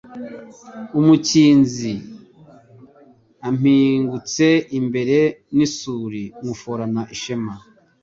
Umukinzi ampingutse imbere n'isuli nywuforana ishema